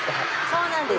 そうなんです。